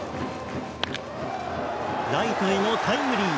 ライトへのタイムリー。